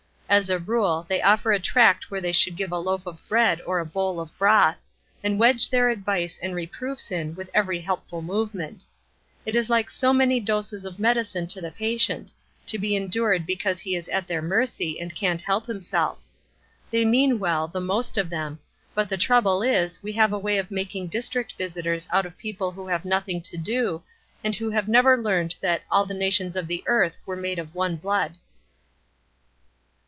As a rule, they offer a tract where they should give a loaf of bread or a bowl of broth; and wedge their advice and reproofs in with every helpful movement. It is like so many doses of medicine to the patient; to be endured because he is at their mercy, and can't help himself. They mean well, the most of them; but the trouble is, we have a way of making district visitors out of people who have nothing to do, and who have never learned that 'all the nations of the earth were made of one blood.'"